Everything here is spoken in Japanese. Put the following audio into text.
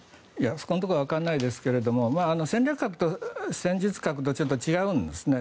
そこは分からないですが戦略核と戦術核とちょっと違うんですね。